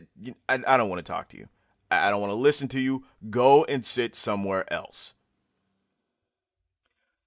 I don't want to talk to you. I don't want to listen to you. Go and sit somewhere else."